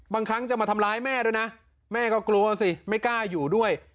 บางครั้งจะมาทำร้ายแม่ด้วยนะแม่ก็กลัวสิไม่กล้าอยู่ด้วย